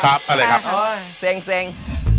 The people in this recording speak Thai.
ครับอะไรครับแซง